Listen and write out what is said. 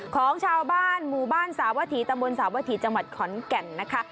ของชาวบ้านหมู่บ้านสาวถีตำบลสาวถีจังหวัดขอนแก่นนะคะ